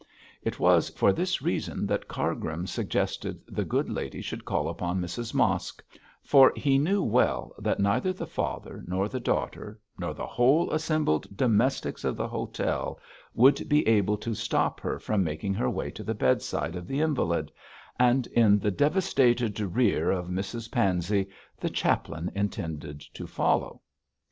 It was for this reason that Cargrim suggested the good lady should call upon Mrs Mosk, for he knew well that neither the father, nor the daughter, nor the whole assembled domestics of the hotel, would be able to stop her from making her way to the bedside of the invalid; and in the devastated rear of Mrs Pansey the chaplain intended to follow.